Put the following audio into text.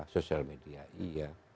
sosial media iya